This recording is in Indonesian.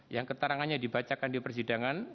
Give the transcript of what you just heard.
yang keterangannya dibacakan di persidangan